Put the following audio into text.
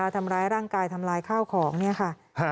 ทำร้ายร่างกายทำลายข้าวของเนี่ยค่ะ